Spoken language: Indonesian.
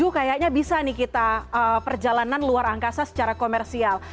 kayaknya bisa nih kita perjalanan luar angkasa secara komersial